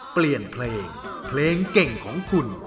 เปลี่ยนเพลงเพลงเก่งของคุณ